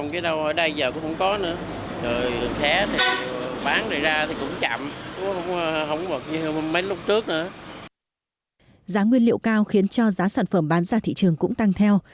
giá nguyên liệu cao khiến cho giá sản phẩm bán ra thị trường cũng tăng theo